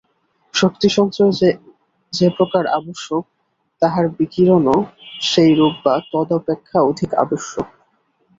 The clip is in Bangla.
শক্তিসঞ্চয় যে প্রকার আবশ্যক, তাহার বিকিরণও সেইরূপ বা তদপেক্ষা অধিক আবশ্যক।